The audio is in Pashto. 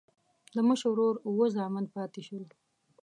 د مشر ورور اووه زامن پاتې شول.